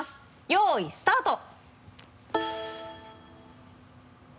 よいスタート！